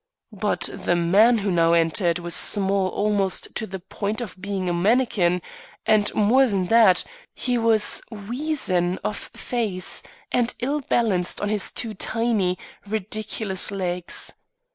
But the man who now entered was small almost to the point of being a manikin, and more than that, he was weazen of face and ill balanced on his two tiny, ridiculous legs.